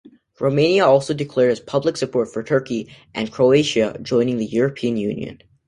Romania also declared its public support for Turkey, and Croatia joining the European Union.